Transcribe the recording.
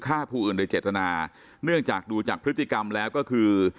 ฆ่าผู้อื่นโดยเจตนาเนื่องจากดูจากพฤติกรรมแล้วก็คือ